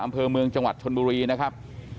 อำเภอเมืองจังหวัดชนบุรีนะครับ